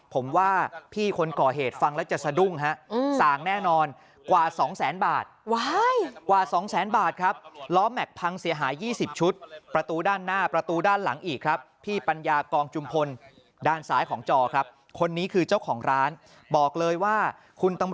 ผมว่าพี่คนก่อเหตุฟังแล้วจะสะดุ้งฮะสางแน่นอน